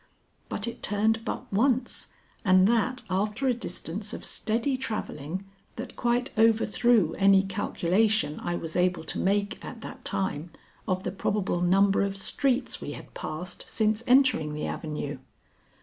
But it turned but once and that after a distance of steady travelling that quite overthrew any calculation I was able to make at that time of the probable number of streets we had passed since entering the avenue.